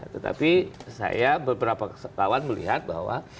tetapi saya beberapa lawan melihat bahwa